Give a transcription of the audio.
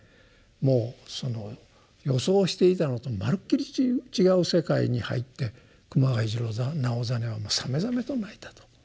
もうその予想していたのとまるっきり違う世界に入って熊谷次郎直実はさめざめと泣いたと。